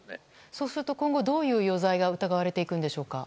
そうすると今後どういう余罪が疑われていくんでしょうか。